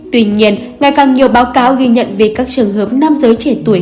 tuy nhiên ngày càng nhiều báo cáo ghi nhận về các trường hợp nam giới trẻ tuổi